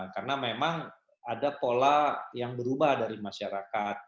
karena memang ada pola yang berubah dari masyarakat